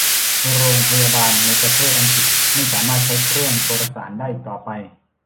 โรงพยาบาลในประเทศอังกฤษไม่สามารถใช้เครื่องโทรสารได้อีกต่อไป